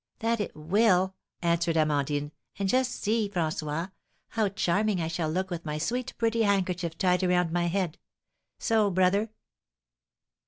"That it will," answered Amandine. "And just see, François, how charming I shall look with my sweet pretty handkerchief tied around my head, so, brother."